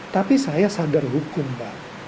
tapi saya sadar hukum pak